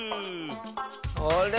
あれ？